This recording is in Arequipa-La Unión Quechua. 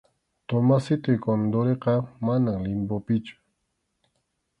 Tomasitoy Condoriqa, manam limbopichu.